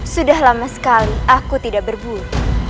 sudah lama sekali aku tidak berburu